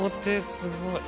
すごい。